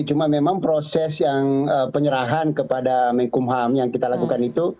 cuma memang proses yang penyerahan kepada menkumham yang kita lakukan itu